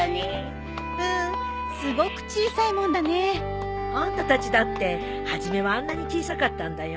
うんすごく小さいもんだねえ。あんたたちだって初めはあんなに小さかったんだよ。